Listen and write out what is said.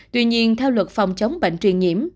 tuy nhiên theo luật phòng chống bệnh truyền nhiễm